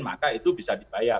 maka itu bisa dibayar